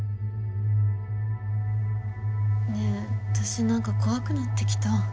ねえ私何か怖くなってきた。